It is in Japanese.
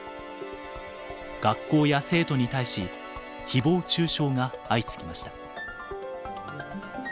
学校や生徒に対しひぼう中傷が相次ぎました。